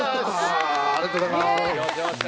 ありがとうございます